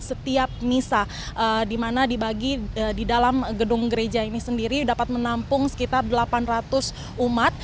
setiap misa di mana dibagi di dalam gedung gereja ini sendiri dapat menampung sekitar delapan ratus umat